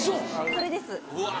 これです。